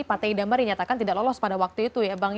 partai idam dinyatakan tidak lolos pada waktu itu ya bang